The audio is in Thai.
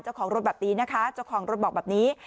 เจ้าของรถแบบนี้นะคะเจ้าของรถบอกแบบนี้